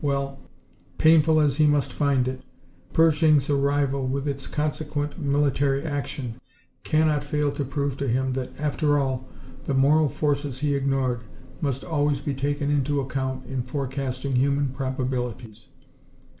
Well, painful as he must find it, Pershing's arrival, with its consequent military action, cannot fail to prove to him that, after all, the moral forces he ignored must always be taken into account in forecasting human probabilities.